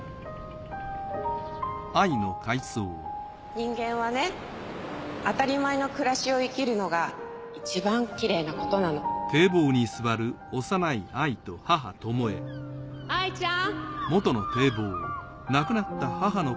人間はね当たり前の暮らしを生きるのがいちばんきれいなことなの藍ちゃん。